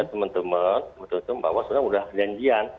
diksirikan teman teman bahwa sudah ada janjian